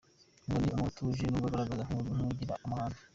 Ngo ni umuntu utuje nubwo agaragara nk’ugira amahane.